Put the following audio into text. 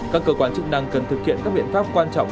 các cơ quan chức năng cần thực hiện các biện pháp quan trọng